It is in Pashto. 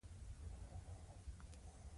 د کتاب بحث په نړۍ کې پر اقتصادي نا انډولۍ راڅرخي.